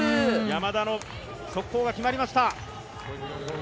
山田の速攻が決まりました。